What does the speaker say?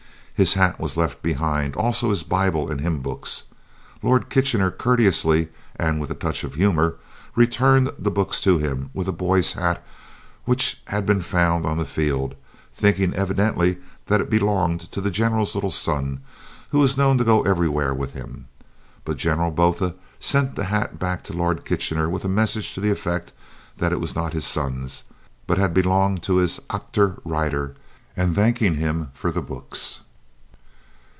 His hat was left behind, also his Bible and hymn books. Lord Kitchener, courteously, and with a touch of humour, returned the books to him with a boy's hat which had been found on the field, thinking evidently that it belonged to the General's little son, who was known to go everywhere with him; but General Botha sent the hat back to Lord Kitchener with a message to the effect that it was not his son's, but had belonged to his 'achter ryder,' and thanking him for the books."